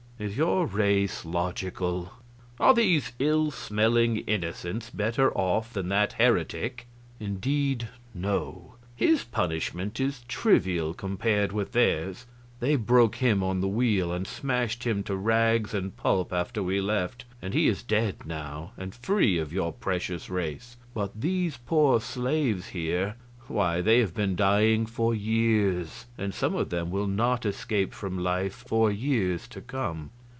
Is your race logical? Are these ill smelling innocents better off than that heretic? Indeed, no; his punishment is trivial compared with theirs. They broke him on the wheel and smashed him to rags and pulp after we left, and he is dead now, and free of your precious race; but these poor slaves here why, they have been dying for years, and some of them will not escape from life for years to come.